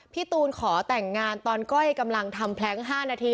พี่ตูนขอแต่งงานตอนก้อยกำลังทำแพลง๕นาที